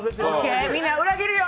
ＯＫ、みんな裏切るよ！